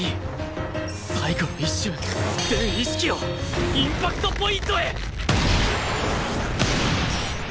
最後の一瞬全意識をインパクトポイントへ！